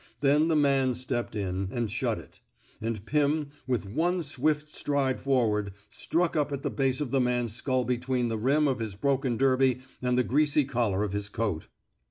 Then the man stepped in, and shut it; and Pim, with one swift stride forward, struck up at the base of the man's skull be tween the rim of his broken derby and the greasy collar of his coat.